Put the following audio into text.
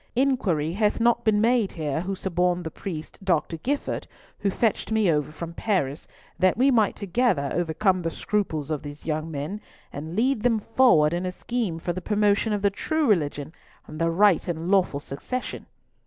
Inquiry hath not been made here who suborned the priest, Dr. Gifford, to fetch me over from Paris, that we might together overcome the scruples of these young men, and lead them forward in a scheme for the promotion of the true religion and the right and lawful succession.